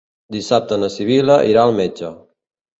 Dissabte na Sibil·la irà al metge.